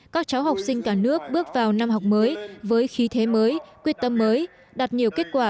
các cháu học sinh cả nước bước vào năm học mới với khí thế mới quyết tâm mới đạt nhiều kết quả